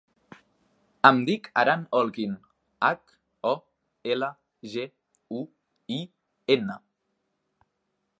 Em dic Aran Holguin: hac, o, ela, ge, u, i, ena.